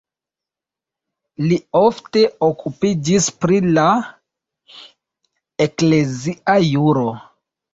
Li ofte okupiĝis pri la eklezia juro.